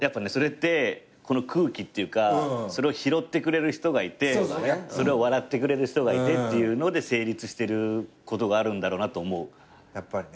それってこの空気っていうかそれを拾ってくれる人がいてそれを笑ってくれる人がいてっていうので成立してることがあるんだろうなって思う。